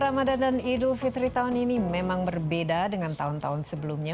ramadan dan idul fitri tahun ini memang berbeda dengan tahun tahun sebelumnya